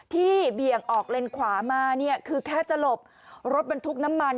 เบี่ยงออกเลนขวามาเนี่ยคือแค่จะหลบรถบรรทุกน้ำมัน